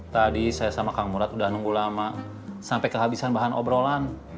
tadi saya sama kang murad udah nunggu lama sampai kehabisan bahan obrolan